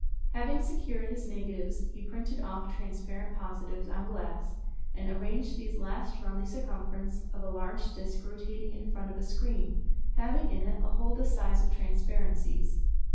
Having secured his negatives he printed off transparent positives on glass, and arranged these last round the circumference of a large disc rotating in front of a screen, having in it a hole the size of the transparencies.